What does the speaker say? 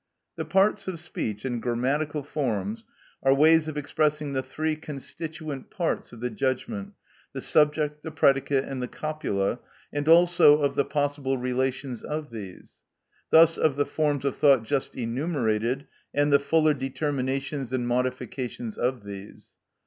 The parts of speech and grammatical forms are ways of expressing the three constituent parts of the judgment, the subject, the predicate, and the copula, and also of the possible relations of these; thus of the forms of thought just enumerated, and the fuller determinations and modifications of these.